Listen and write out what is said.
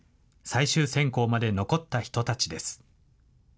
最終選考まで残った人たちです。